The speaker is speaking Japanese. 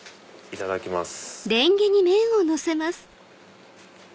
いただきます。